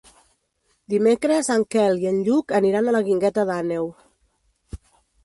Dimecres en Quel i en Lluc aniran a la Guingueta d'Àneu.